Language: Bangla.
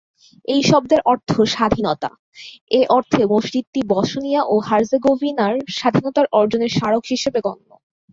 এই শব্দের অর্থ ""স্বাধীনতা"", এ অর্থে মসজিদটি বসনিয়া ও হার্জেগোভিনার স্বাধীনতার অর্জনের স্মারক হিসেবে গণ্য।